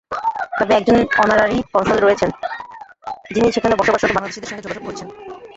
তবে একজন honorary consul রয়েছেন, যিনি সেখানে বসবাসরত বাংলাদেশিদের সঙ্গে যোগাযোগ করছেন।